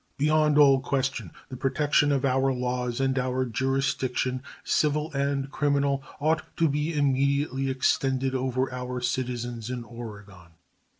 Beyond all question the protection of our laws and our jurisdiction, civil and criminal, ought to be immediately extended over our citizens in Oregon.